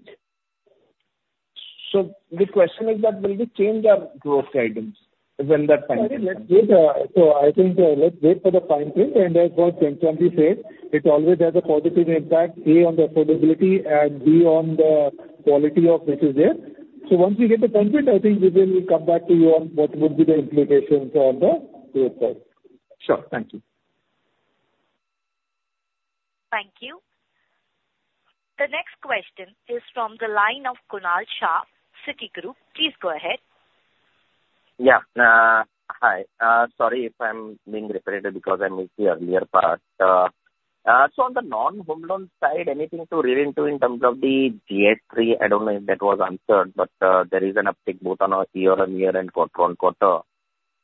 Speaker 12: So the question is that will we change our growth guidance when that time comes?
Speaker 3: So I think, let's wait for the fine print, and as what Shantanu said, it always has a positive impact, A, on the affordability, and B, on the quality of which is there. So once we get the fine print, I think we will come back to you on what would be the implications on the growth side.
Speaker 12: Sure. Thank you.
Speaker 1: Thank you. The next question is from the line of Kunal Shah, Citigroup. Please go ahead.
Speaker 13: Yeah. Hi. Sorry if I'm being repetitive because I missed the earlier part. So on the non-home loan side, anything to read into in terms of the GS3? I don't know if that was answered, but there is an uptick both on a year-on-year and quarter-on-quarter.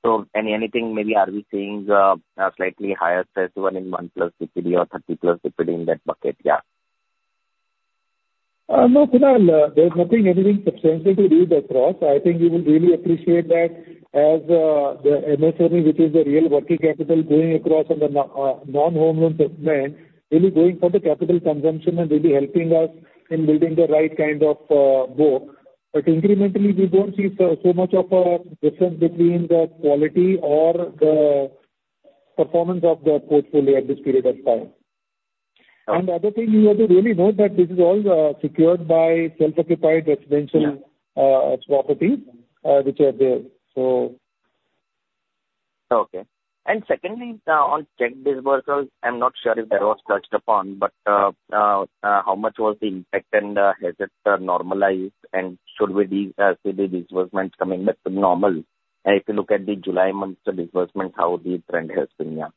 Speaker 13: So anything maybe, are we seeing a slightly higher threshold in one plus DPD or 30 plus DPD in that bucket? Yeah.
Speaker 3: No, Kunal, there's nothing anything substantial to read across. I think you will really appreciate that as the MSME, which is the real working capital, going across on the non-home loan segment, really going for the capital consumption and really helping us in building the right kind of book. But incrementally, we don't see so, so much of a difference between the quality or the performance of the portfolio at this period of time. And the other thing you have to really note that this is all secured by self-occupied residential properties, which are there, so.
Speaker 13: Okay. And secondly, on check disbursements, I'm not sure if that was touched upon, but, how much was the impact, and, has it normalized? And should we see the disbursements coming back to normal? If you look at the July month's disbursements, how the trend has been, yeah.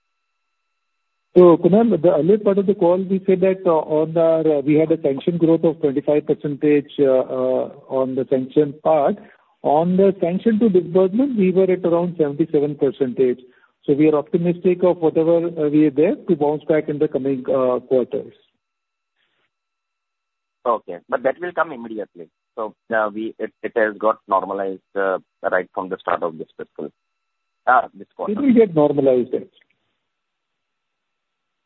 Speaker 3: So Kunal, the earlier part of the call, we said that on the, we had a sanction growth of 25%, on the sanction part. On the sanction to disbursement, we were at around 77%. So we are optimistic of whatever we are there to bounce back in the coming quarters.
Speaker 13: Okay, but that will come immediately. So, it has got normalized right from the start of this fiscal, this quarter.
Speaker 3: It will get normalized, yes.
Speaker 13: Okay. Okay, okay. Yeah, cool.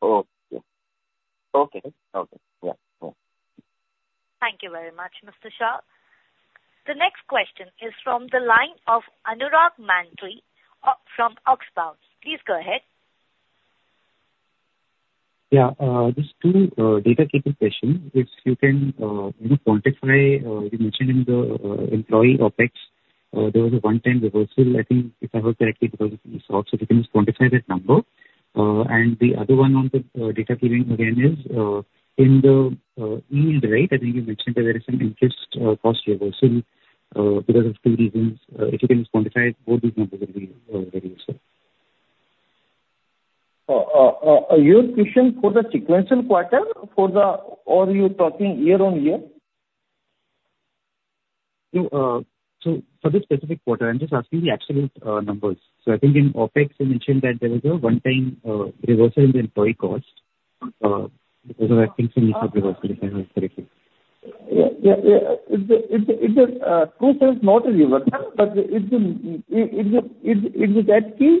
Speaker 1: Thank you very much, Mr. Shah. The next question is from the line of Anurag Mantry from Oxbow. Please go ahead.
Speaker 14: Yeah, just two housekeeping questions. If you can maybe quantify, you mentioned in the employee OpEx there was a one-time reversal, I think, if I heard correctly, because of the stocks, so if you can quantify that number. And the other one on the housekeeping again is in the yield rate, I think you mentioned that there is an interest cost reversal because of two reasons. If you can quantify both these numbers, it will be very useful.
Speaker 3: Your question for the sequential quarter, for the or you're talking year on year?
Speaker 14: So, so for the specific quarter, I'm just asking the absolute numbers. So I think in OpEx, you mentioned that there was a one-time reversal in the employee cost because of, I think, some reversal, if I heard correctly.
Speaker 3: Yeah, yeah, yeah. It's a true sense, not a reversal, but it's that key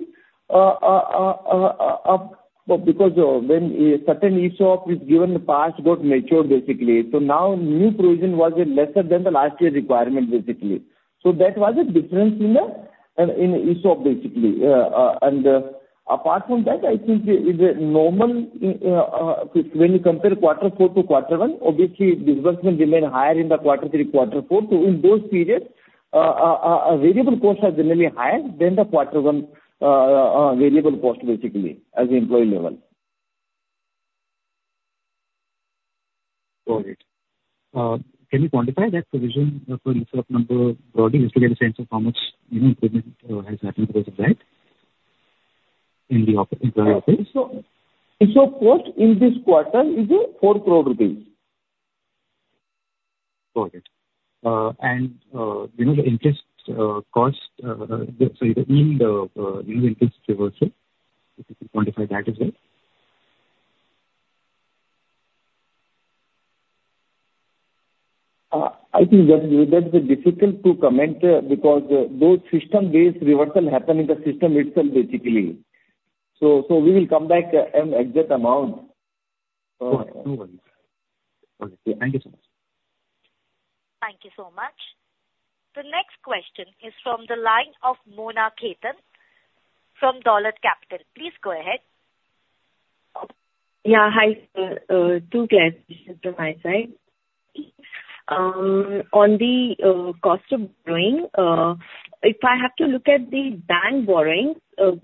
Speaker 3: because when a certain ESOP is given in the past got matured, basically. So now new provision was lesser than the last year requirement, basically. So that was a difference in the ESOP, basically. And apart from that, I think the normal when you compare quarter four to quarter one, obviously, disbursement remain higher in the quarter three, quarter four. So in those periods, variable costs are generally higher than the quarter one variable costs, basically, as an employee level.
Speaker 14: Got it. Can you quantify that provision for ESOP number broadly, just to get a sense of how much, you know, improvement has happened because of that in the Op- employee OpEx?
Speaker 3: So, cost in this quarter is 4 crore rupees.
Speaker 14: Got it. And, you know, the interest cost, so in the interest reversal, if you could quantify that as well.
Speaker 3: I think that is difficult to comment because those system-based reversals happen in the system itself, basically. So we will come back and exact amount.
Speaker 14: No worries. Okay, thank you so much.
Speaker 1: Thank you so much. The next question is from the line of Mona Khetan from Dolat Capital. Please go ahead.
Speaker 15: Yeah, hi, sir. Two questions from my side. On the cost of borrowing, if I have to look at the bank borrowing, how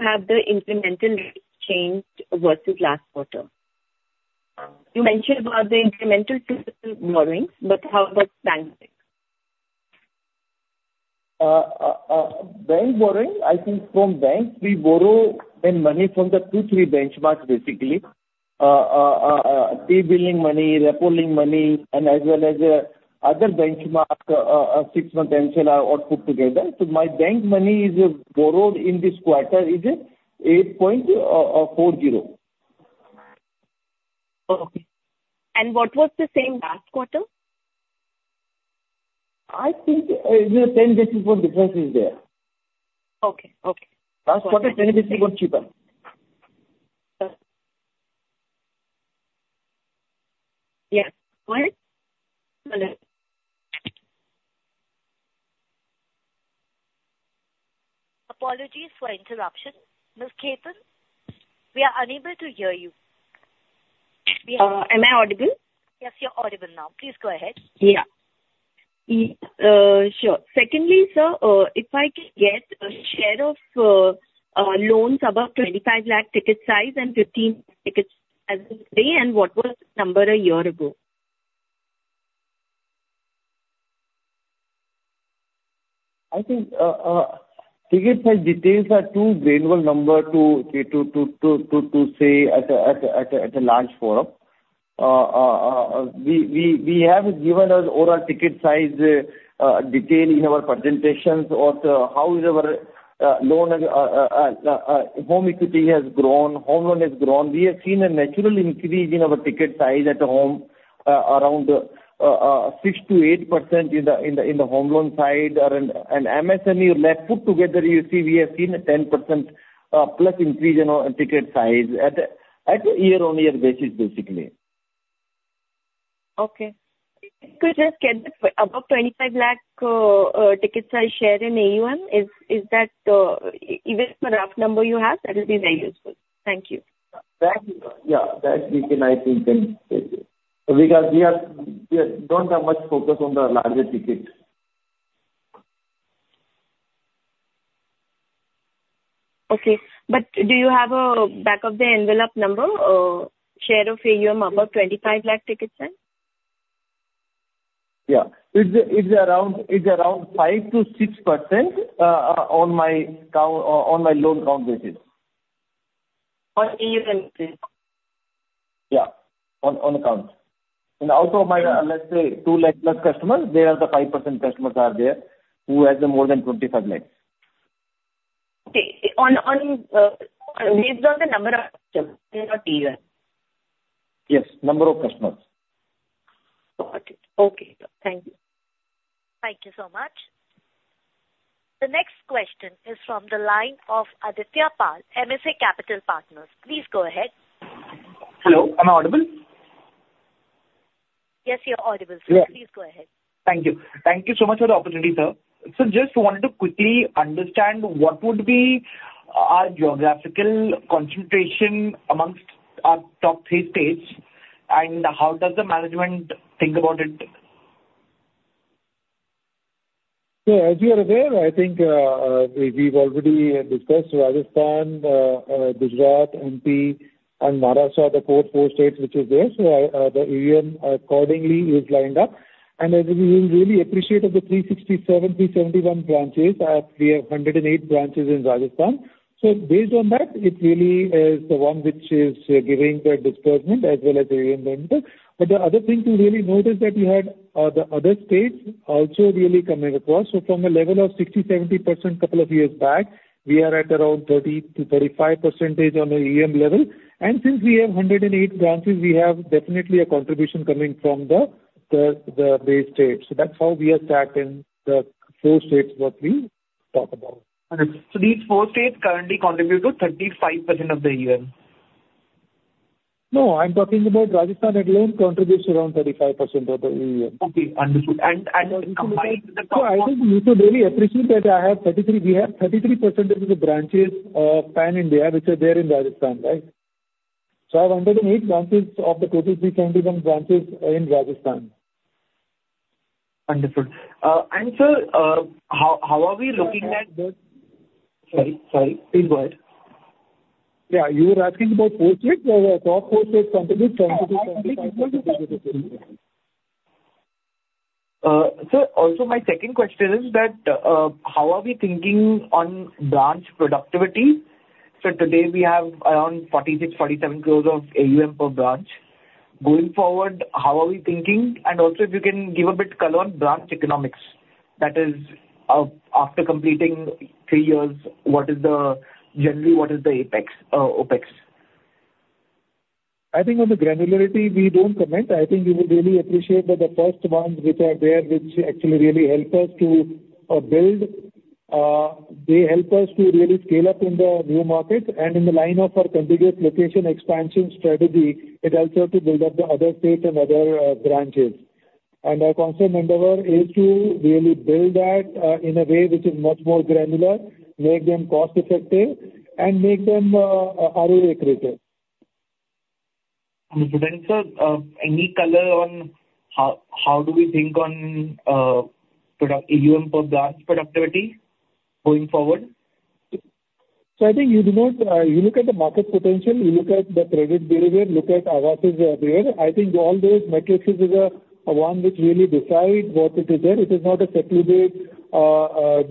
Speaker 15: have the incremental rates changed versus last quarter? You mentioned about the incremental borrowing, but how about bank?
Speaker 3: Bank borrowing, I think from banks, we borrow money from the 2-3 benchmarks, basically. T-bill money, repo-linked money, and as well as other benchmark, six-month MCLR are all put together. So my bank money is borrowed in this quarter is 8.40.
Speaker 15: Okay. And what was the same last quarter?
Speaker 3: I think, there's 10 basis point difference is there.
Speaker 15: Okay. Okay.
Speaker 3: Last quarter, 10 basis point cheaper.
Speaker 1: Yeah. Go ahead.
Speaker 15: Hello?
Speaker 1: Apologies for interruption. Ms. Khetan, we are unable to hear you.
Speaker 15: Am I audible?
Speaker 1: Yes, you're audible now. Please go ahead.
Speaker 15: Yeah. Sure. Secondly, sir, if I can get a share of loans above 25 lakh ticket size and 15 tickets as of today, and what was the number a year ago?
Speaker 3: I think ticket size details are too valuable number to say at a large forum. We have given an overall ticket size detail in our presentations of how is our loan home equity has grown, home loan has grown. We have seen a natural increase in our ticket size at home around 6% to 8% in the home loan side. And MSME, like, put together, you see, we have seen a 10% plus increase in our ticket size at a year-on-year basis, basically.
Speaker 15: Okay. If you could just get the above 25 lakh ticket size share in AUM, is that even a rough number you have, that will be very useful. Thank you.
Speaker 3: Thank you. Yeah, that we can, I think, can take it. Because we don't have much focus on the larger ticket.
Speaker 15: Okay. But do you have a back-of-the-envelope number, share of AUM above 25 lakh ticket size?
Speaker 3: Yeah. It's around 5% to 6% on my count, on my loan count basis.
Speaker 15: On units please.
Speaker 3: Yeah, on accounts. And out of my, let's say, 200,000 plus customers, they are the 5% customers are there, who has more than 25 lakhs.
Speaker 15: Okay. On based on the number of customers or AUM?
Speaker 3: Yes, number of customers.
Speaker 15: Got it. Okay, thank you.
Speaker 1: Thank you so much. The next question is from the line of Aditya Pal, MSA Capital Partners. Please go ahead.
Speaker 16: Hello, am I audible?
Speaker 1: Yes, you're audible, sir.
Speaker 16: Yeah.
Speaker 1: Please go ahead.
Speaker 16: Thank you. Thank you so much for the opportunity, sir. Just wanted to quickly understand what would be our geographical concentration among our top three states, and how does the management think about it?
Speaker 3: So as you are aware, I think, we, we've already discussed Rajasthan, Gujarat, MP and Maharashtra, the four states which is there. So, the AUM accordingly is lined up. And as you really appreciated, the 367 to 371 branches, we have 108 branches in Rajasthan. So based on that, it really is the one which is, giving the disbursement as well as the AUM leader. But the other thing to really note is that we had, the other states also really coming across. So from a level of 60 to 70% couple of years back, we are at around 30 to 35% on the AUM level. And since we have 108 branches, we have definitely a contribution coming from the, the, the base states. That's how we are stacked in the four states that we talked about.
Speaker 16: Understood. So these four states currently contribute to 35% of the AUM?
Speaker 3: No, I'm talking about Rajasthan alone contributes around 35% of the AUM.
Speaker 16: Okay, understood. And, combined with the-
Speaker 3: So I think you should really appreciate that I have 33, we have 33% of the branches, pan-India, which are there in Rajasthan, right? I have 108 branches of the total 371 branches in Rajasthan.
Speaker 16: Understood. Sir, how are we looking at the... Sorry, sorry, please go ahead.
Speaker 3: Yeah, you were asking about four states, top four states contribute 20% to 25%.
Speaker 16: Sir, also my second question is that, how are we thinking on branch productivity? So today we have around 46 crore to 47 crore of AUM per branch. Going forward, how are we thinking? And also, if you can give a bit color on branch economics, that is, after completing 3 years, what is the generally, what is the OpEx?
Speaker 3: I think on the granularity, we don't comment. I think you will really appreciate that the first ones which are there, which actually really help us to build, they help us to really scale up in the new markets. In the line of our contiguous location expansion strategy, it helps us to build up the other states and other branches. Our constant endeavor is to really build that in a way which is much more granular, make them cost-effective, and make them highly accretive.
Speaker 16: Understood. Then, sir, any color on how, how do we think on product AUM per branch productivity going forward?
Speaker 3: So, I think you look at the market potential, you look at the credit delivery, look at what is there. I think all those metrics is one which really decide what it is there. It is not a secluded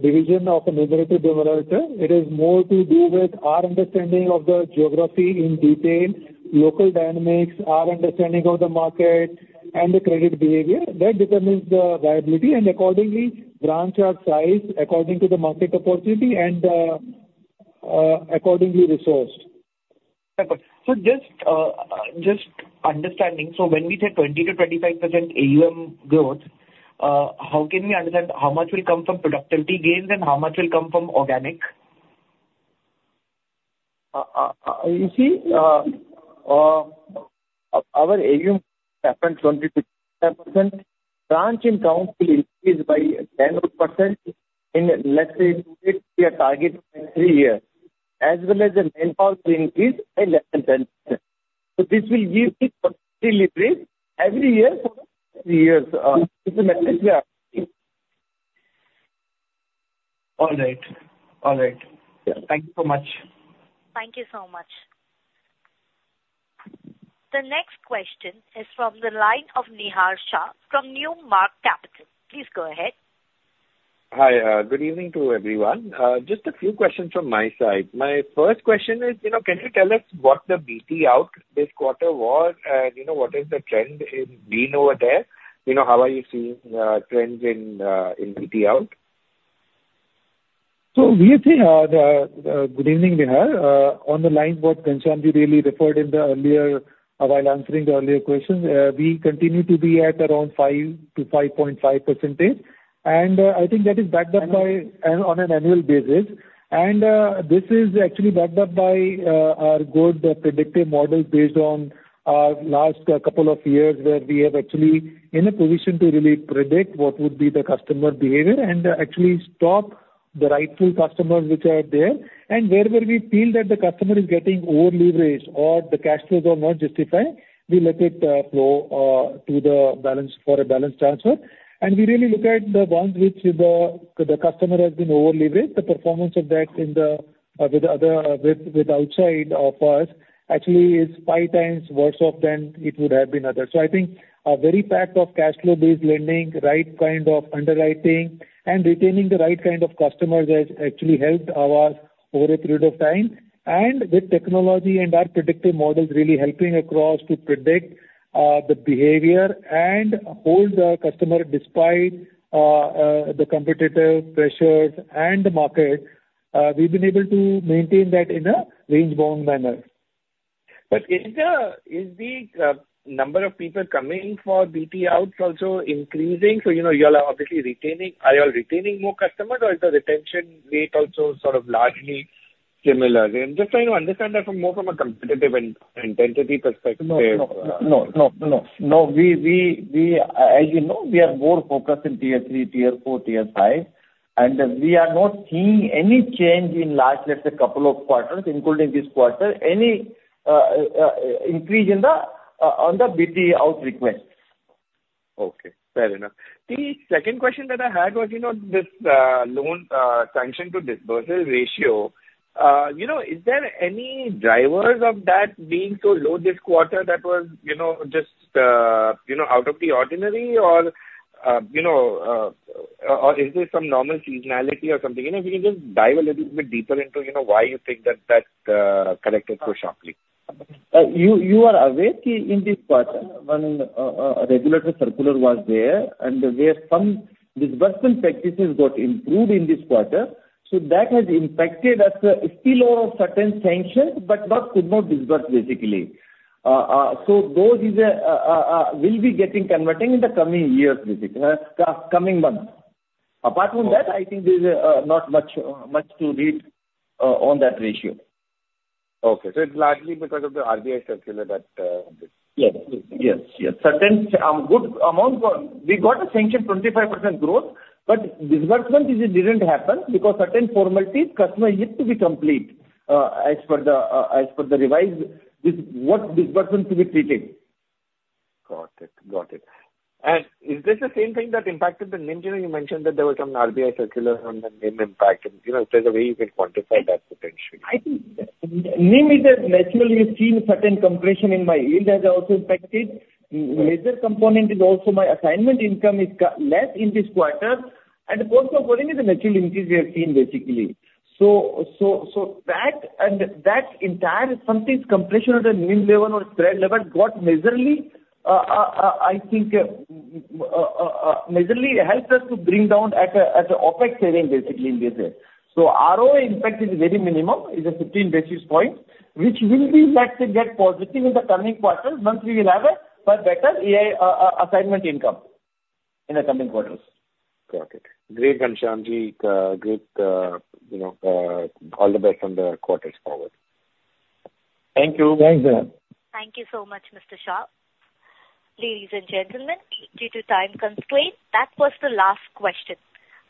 Speaker 3: division of a numerator denominator. It is more to do with our understanding of the geography in detail, local dynamics, our understanding of the market, and the credit behavior. That determines the viability, and accordingly, branches are sized according to the market opportunity and accordingly resourced.
Speaker 16: Okay. So just understanding, so when we say 20% to 25% AUM growth, how can we understand how much will come from productivity gains and how much will come from organic?
Speaker 3: you see, our AUM, 7, 20% to 25%, branch in count will increase by 10% in, let's say, it be a target in 3 years, as well as the manpower will increase by 11%. So this will give the productivity every year for 3 years. It's the metrics we are using.
Speaker 16: All right. All right.
Speaker 3: Yeah.
Speaker 16: Thank you so much.
Speaker 1: Thank you so much. The next question is from the line of Nihar Shah from New Mark Capital. Please go ahead.
Speaker 17: Hi, good evening to everyone. Just a few questions from my side. My first question is, you know, can you tell us what the BT out this quarter was? And, you know, what is the trend in BT in over there? You know, how are you seeing trends in BT out?
Speaker 3: So we think, good evening, Nihar. On the line what Ghanshyam really referred in the earlier, while answering the earlier question, we continue to be at around 5% to 5.5%, and, I think that is backed up by, and on an annual basis. And, this is actually backed up by, our good predictive model based on, last couple of years, where we have actually in a position to really predict what would be the customer behavior and, actually stop the right customers which are there. And wherever we feel that the customer is getting over-leveraged or the cash flows are not justifying, we let it, flow, to the balance for a balance transfer. And we really look at the ones which the, the customer has been over-leveraged. The performance of that in the, with the other, with outside of us, actually is five times worse off than it would have been other. So I think a very fact of cash flow-based lending, right kind of underwriting and retaining the right kind of customers has actually helped Aavas over a period of time. And with technology and our predictive models really helping across to predict the behavior and hold the customer despite the competitive pressures and the market, we've been able to maintain that in a range-bound manner.
Speaker 17: But is the number of people coming for BT outs also increasing? So, you know, you all are obviously retaining... Are you all retaining more customers, or is the retention rate also sort of largely similar? I'm just trying to understand that from more of a competitive intensity perspective.
Speaker 3: No, no, no, no, no. No, as you know, we are more focused in Tier 3, Tier 4, Tier 5, and we are not seeing any change in large, let's say, couple of quarters, including this quarter, any increase in the on the BT out requests.
Speaker 17: Okay, fair enough. The second question that I had was, you know, this loan sanction to disbursement ratio. You know, is there any drivers of that being so low this quarter that was, you know, just out of the ordinary? Or, you know, or is there some normal seasonality or something? You know, if you can just dive a little bit deeper into, you know, why you think that that corrected so sharply?
Speaker 3: You are aware, key in this quarter, when a regulatory circular was there, and where some disbursement practices got improved in this quarter. So that has impacted us, still on certain sanctions, but what could not disburse, basically. So those is will be getting converting in the coming years, basically, coming months. Apart from that, I think there's not much to read on that ratio.
Speaker 17: Okay, so it's largely because of the RBI circular that,
Speaker 3: Yes. Yes, yes. Certain good amount got. We got a sanction, 25% growth, but disbursement it didn't happen because certain formalities customer yet to be complete, as per the revised disbursement to be treated.
Speaker 17: Got it. Got it. Is this the same thing that impacted the NIM? You know, you mentioned that there was some RBI circular on the NIM impact, and, you know, if there's a way you can quantify that potentially.
Speaker 3: I think NIM has naturally seen certain compression in my yield has also impacted. Major component is also my assignment income is lower in this quarter, and provisioning is a natural increase we have seen, basically. So, so, so that, and that entire something's compression at the NIM level or spread level got majorly, I think, majorly helped us to bring down at a, at a OpEx saving, basically, in this way. So ROA impact is very minimum, is a 15 basis point, which will be impacted that positively in the coming quarters, once we will have a, a better, assignment income in the coming quarters.
Speaker 17: Got it. Great, Ghanshyamji. Great, you know, all the best on the quarters forward.
Speaker 3: Thank you. Thanks, Nihar.
Speaker 1: Thank you so much, Mr. Shah. Ladies and gentlemen, due to time constraint, that was the last question.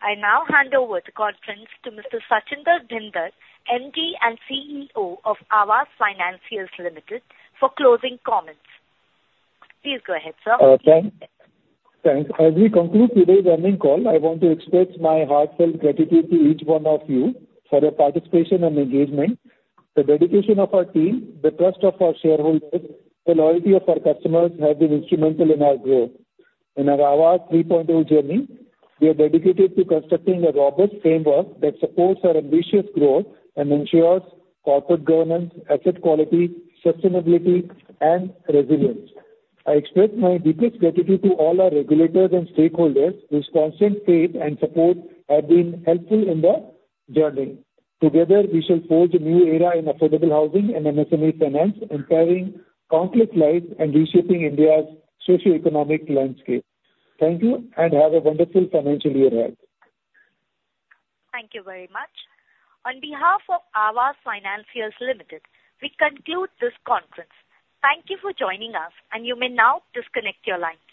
Speaker 1: I now hand over the conference to Mr. Sachinder Bhinder, MD and CEO of Aavas Financiers Limited, for closing comments. Please go ahead, sir.
Speaker 3: Thanks. Thanks. As we conclude today's earnings call, I want to express my heartfelt gratitude to each one of you for your participation and engagement. The dedication of our team, the trust of our shareholders, the loyalty of our customers have been instrumental in our growth. In our Aavas 3.0 journey, we are dedicated to constructing a robust framework that supports our ambitious growth and ensures corporate governance, asset quality, sustainability and resilience. I express my deepest gratitude to all our regulators and stakeholders whose constant faith and support have been helpful in the journey. Together, we shall forge a new era in affordable housing and MSME finance, empowering countless lives and reshaping India's socio-economic landscape. Thank you, and have a wonderful financial year ahead.
Speaker 1: Thank you very much. On behalf of Aavas Financiers Limited, we conclude this conference. Thank you for joining us, and you may now disconnect your lines.